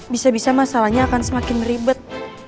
bisa bisa masalahnya akan semakin ribet